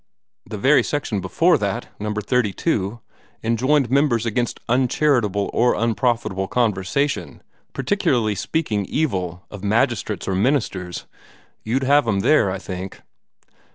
"The very section before that, Number 32, enjoins members against 'uncharitable or unprofitable conversation particularly speaking evil of magistrates or ministers.' You'd have 'em there, I think."